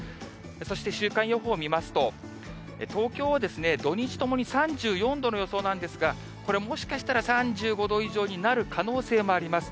そして週間予報見ますと、東京は土日ともに３４度の予想なんですが、これ、もしかしたら３５度以上になる可能性もあります。